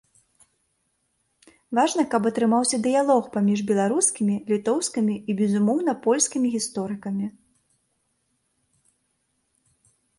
Важна, каб атрымаўся дыялог паміж беларускімі, літоўскімі і безумоўна польскімі гісторыкамі.